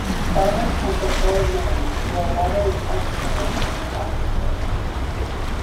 Farmers on their own land may draw water without charge from the aquifer.